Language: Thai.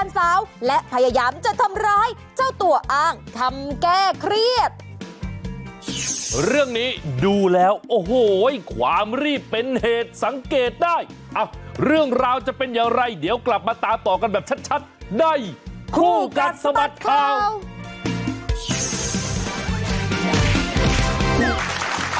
สวัสดีครับสวัสดีครับสวัสดีครับสวัสดีครับสวัสดีครับสวัสดีครับสวัสดีครับ